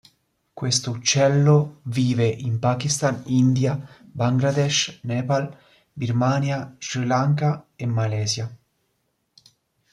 Questo uccello vive in Pakistan, India, Bangladesh, Nepal, Birmania, Sri Lanka e Malaysia.